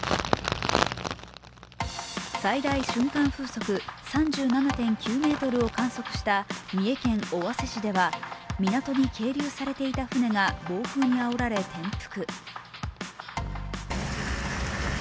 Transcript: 最大瞬間風速３７．９メートルを観測した三重県尾鷲市では港に係留されていた船が暴風にあおられ転覆。